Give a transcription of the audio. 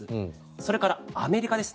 それからアメリカです。